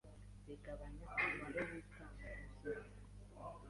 bigabanya umubare w’intanga nzima,